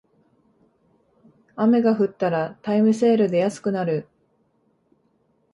雨が降ったらタイムセールで安くなる